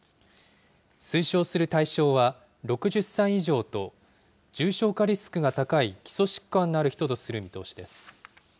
推奨する対象は、６０歳以上と重症化リスクが高い基礎疾患のある人とする見通しです。